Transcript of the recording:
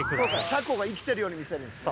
シャコが生きてるように見せるんですね。